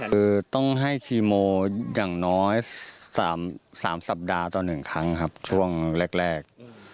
คือต้องให้คีโมอย่างน้อย๓สัปดาห์ต่อ๑ครั้งครับช่วงแรก